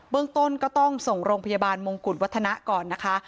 เรื่องต้นก็ต้องส่งโรงพยาบาลมงกุฎวัฒนะก่อนนะคะ